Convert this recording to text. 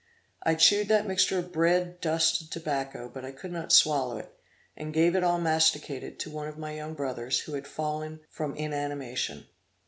I chewed that mixture of bread, dust and tobacco, but I could not swallow it, and gave it all masticated to one of my young brothers, who had fallen from inanimation.